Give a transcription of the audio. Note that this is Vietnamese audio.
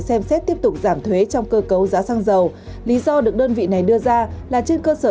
xem xét tiếp tục giảm thuế trong cơ cấu giá xăng dầu lý do được đơn vị này đưa ra là trên cơ sở